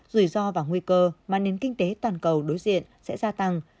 rủi ro và nguy cơ mà nền kinh tế toàn cầu đối diện sẽ gia tăng